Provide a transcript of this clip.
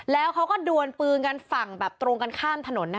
แล้วเขาก็ดวนปืนกันฝั่งแบบตรงกันข้ามถนน